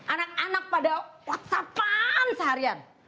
anak anak pada whatsappan seharian